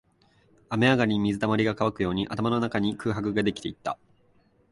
雨上がりに水溜りが乾くように、頭の中に空白ができていった